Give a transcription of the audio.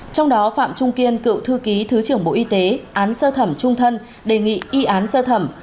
trong đó phạm trung kiên cựu thư ký thứ trưởng bộ y tế án sơ thẩm trung thân đề nghị y án sơ thẩm